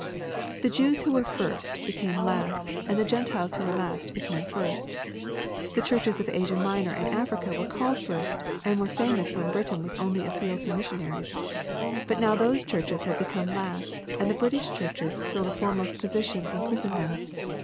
The Jews who were first became last, and the Gen tiles who were last became first. The churches of Asia Minor and Africa were called first, and were famous when Britain was only a field for missionaries. But now those churches have become last, and the British churches fill the foremost position in Christendom.